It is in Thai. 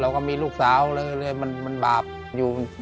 และกับผู้จัดการที่เขาเป็นดูเรียนหนังสือ